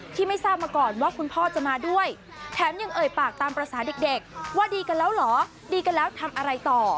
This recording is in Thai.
ที่ไม่ทราบมาก่อนว่าคุณพ่อจะมาด้วยแถมยังเอ่ยปากตามภาษาเด็กว่าดีกันแล้วเหรอดีกันแล้วทำอะไรต่อ